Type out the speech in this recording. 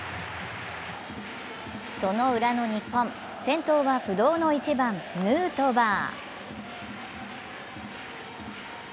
そのウラの日本、先頭は不動の１番・ヌートバー。